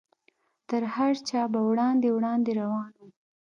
تر هر چا به وړاندې وړاندې روان و.